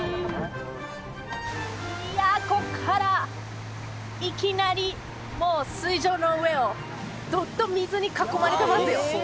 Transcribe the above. いやこっからいきなりもう水上の上をドッと水に囲まれてますよ